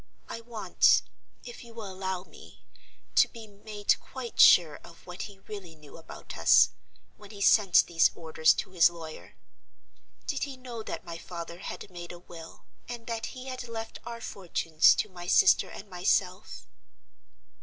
I want—if you will allow me—to be made quite sure of what he really knew about us—when he sent these orders to his lawyer. Did he know that my father had made a will, and that he had left our fortunes to my sister and myself?"